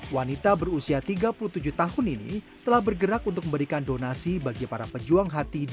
wanita berusia tiga puluh tujuh tahun ini telah bergerak untuk memberikan donasi bagi para pejuang hati di